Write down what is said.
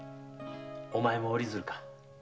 お前も折り鶴か？